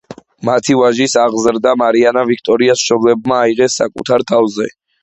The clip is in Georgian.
მათი ვაჟის აღზრდა მარიანა ვიქტორიას მშობლებმა აიღეს საკუთარ თავზე.